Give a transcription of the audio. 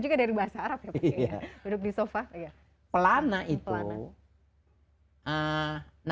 juga dari bahasa arab ya pak ya duduk di sofa pelana itu pelana